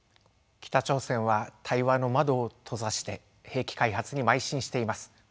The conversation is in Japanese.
北朝鮮は対話の窓を閉ざして兵器開発にまい進しています。